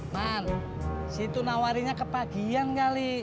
man si itu nawarinnya ke pagian kali